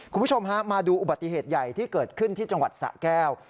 คุณผู้ชมฮะมาดูอุบัติเหตุใหญ่ที่เกิดขึ้นที่จังหวัดสะแก้ว